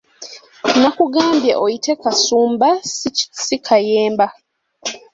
Nakugambye oyite Kasumba si Kayemba.